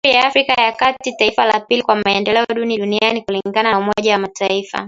Jamhuri ya Afrika ya kati taifa la pili kwa maendeleo duni duniani kulingana na umoja wa mataifa